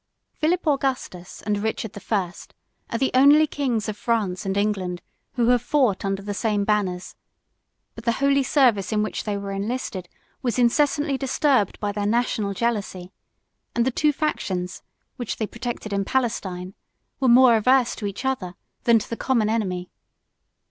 Philip Augustus, and Richard the First, are the only kings of France and England who have fought under the same banners; but the holy service in which they were enlisted was incessantly disturbed by their national jealousy; and the two factions, which they protected in Palestine, were more averse to each other than to the common enemy.